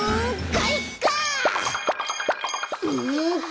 かいか！